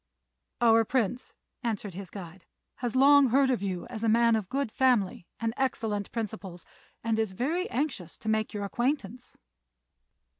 "Our Prince," answered his guide, "has long heard of you as a man of good family and excellent principles, and is very anxious to make your acquaintance."